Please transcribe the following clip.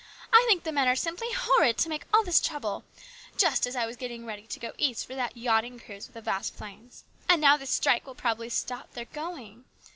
I think the men are simply horrid to make all this trouble just as I was getting ready to go East for that yachting cruise with the Vasplaines ; and now this strike will probably stop their going.